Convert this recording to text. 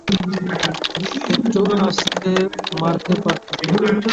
একটু আস্তে মারতে পারতে।